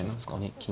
金。